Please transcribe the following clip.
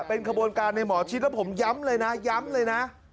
เป็นขบวนการในหมอชิดแล้วผมย้ำเลยนะย้ำเลยนะ